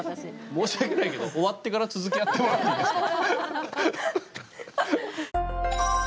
申し訳ないけど終わってから続きやってもらっていいですか。